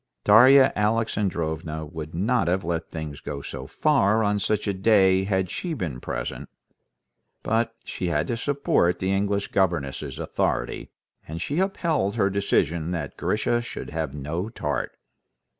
Darya Alexandrovna would not have let things go so far on such a day had she been present; but she had to support the English governess's authority, and she upheld her decision that Grisha should have no tart.